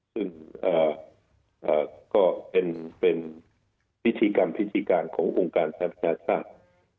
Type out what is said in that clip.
ซึ่งก็เป็นพิธีกรรมพิธีการขององค์การสหประชาชาติ